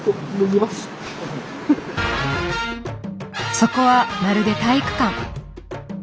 そこはまるで体育館。